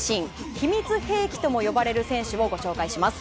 秘密兵器とも呼ばれる選手をご紹介します。